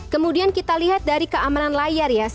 kemudian kita lihat dari keamanan layar ya